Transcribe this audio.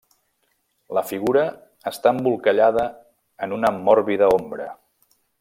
La figura està embolcallada en una mòrbida ombra.